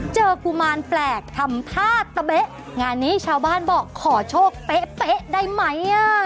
กุมารแปลกทำท่าตะเบ๊ะงานนี้ชาวบ้านบอกขอโชคเป๊ะได้ไหมอ่ะ